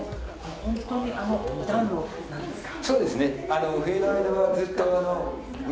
本当に暖炉なんですか。